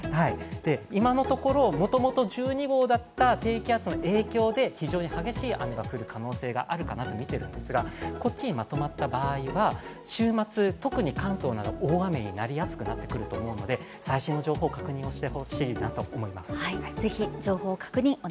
今のところ、もともと１２号だった低気圧の影響で影響で非常に激しい雨が降る可能性があるかなとみているんですがこっちに止まった場合は、週末、特に関東など大雨になりやすくなってくると思うので最新の情報を確認してほしいなと思います。